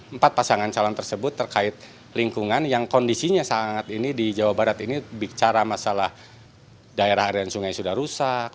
empat pasangan calon tersebut terkait lingkungan yang kondisinya sangat ini di jawa barat ini bicara masalah daerah aliran sungai sudah rusak